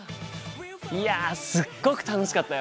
いやすっごく楽しかったよ！